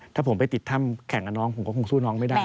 ถ้าผมไปติดถ้ำแข่งกับน้องผมก็คงสู้น้องไม่ได้